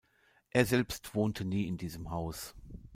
Er selbst wohnte nie in diesem Haus.